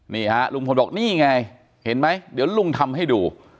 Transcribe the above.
นี่ฮะลุงพลบอกนี่ไงเห็นไหมเดี๋ยวลุงทำให้ดู